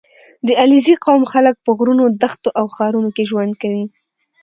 • د علیزي قوم خلک په غرونو، دښتو او ښارونو کې ژوند کوي.